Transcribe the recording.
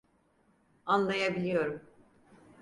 Anlayabiliyorum.